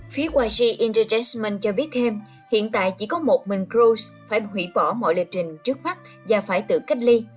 phía yg entertainment cho biết thêm hiện tại chỉ có một mình rose phải hủy bỏ mọi lệ trình trước mắt và phải tự cách ly